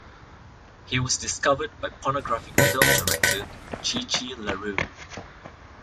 He was discovered by pornographic film director Chi Chi LaRue.